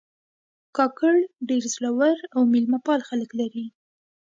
کاکړ ډېر زړور او میلمهپال خلک لري.